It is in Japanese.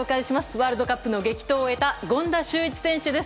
ワールドカップの激闘を終えた権田修一選手です。